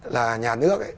là nhà nước ấy